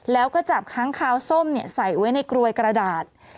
แล้วก็จับค้างคาวส้มใส่ไว้ในกรวยกระดาษ